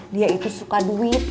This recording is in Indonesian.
dia itu suka duit